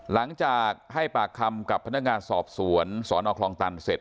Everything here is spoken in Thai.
หลังจากให้ปากคำกับพนักงานสอบสวนสนคลองตันเสร็จ